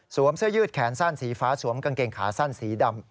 เสื้อยืดแขนสั้นสีฟ้าสวมกางเกงขาสั้นสีดำ